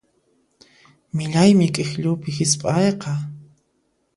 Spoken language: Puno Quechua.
Millaymi k'ikllupi hisp'ayqa.